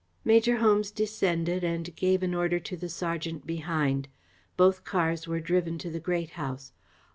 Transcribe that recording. Major Holmes descended and gave an order to the sergeant behind. Both cars were driven to the Great House.